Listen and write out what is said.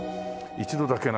「一度だけなら」